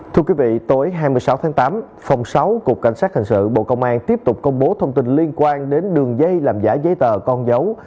thưa quý vị tối hai mươi sáu tháng tám phòng sáu cục cảnh sát thành sự bộ công an tiếp tục công bố thông tin liên quan đến đường dây làm giả giấy tờ con dấu